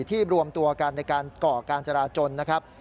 รวมตัวกันในการก่อการจราจนนะครับ